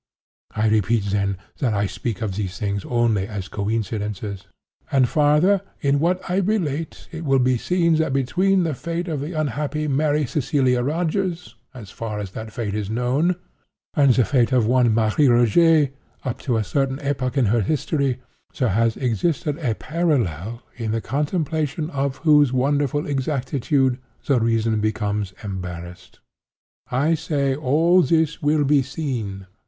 I repeat, then, that I speak of these things only as of coincidences. And farther: in what I relate it will be seen that between the fate of the unhappy Mary Cecilia Rogers, so far as that fate is known, and the fate of one Marie Rogêt up to a certain epoch in her history, there has existed a parallel in the contemplation of whose wonderful exactitude the reason becomes embarrassed. I say all this will be seen.